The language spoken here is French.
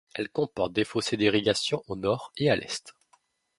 Elle comporte des fossés d'irrigation au nord et à l'est.